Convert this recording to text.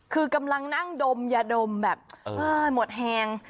คือกำลังนั่งดมยาดมแบบหมดแฮง